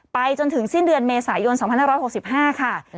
จนถึงสิ้นเดือนเมษายน๒๕๖๕ค่ะ